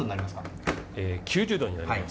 ９０度になります。